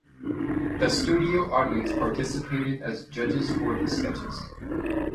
The studio audience participated as judges for the sketches.